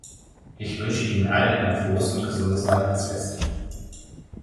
Ich wünsche Ihnen allen ein frohes und gesundes Weihnachtsfest.